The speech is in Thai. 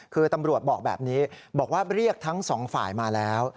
คือตำรวจบอกแบบนี้บอกว่าเรียกทั้งสองฝ่ายมาแล้ว